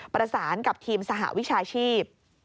ประสานกับทีมสหวิชาชีพ